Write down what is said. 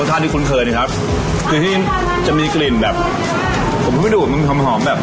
รสชาติที่คุ้นเคยเนี่ยครับคือที่จะมีกลิ่นแบบผมเคยดูมันมีความหอมแบบ